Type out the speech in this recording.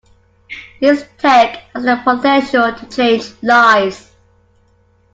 This tech has the potential to change lives.